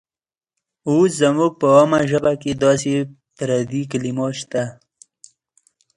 اوس زموږ په عامه ژبه کې داسې پردي کلمات شته.